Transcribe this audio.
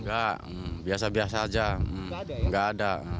nggak biasa biasa aja nggak ada